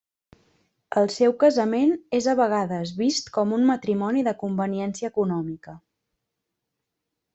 El seu casament és a vegades vist com un matrimoni de conveniència econòmica.